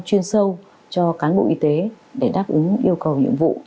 chuyên sâu cho cán bộ y tế để đáp ứng yêu cầu nhiệm vụ